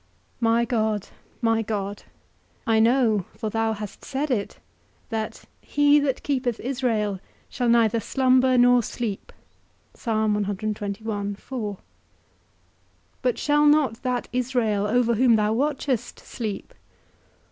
My God, my God, I know (for thou hast said it) that he that keepeth Israel shall neither slumber nor sleep: but shall not that Israel, over whom thou watchest, sleep?